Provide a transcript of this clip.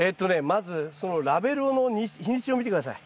まずそのラベルの日にちを見て下さい。